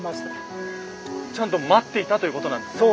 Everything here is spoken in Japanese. ちゃんと待っていたということなんですね？